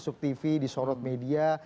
masuk tv disorot media